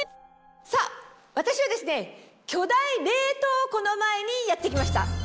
さぁ私はですね巨大冷凍庫の前にやって来ました。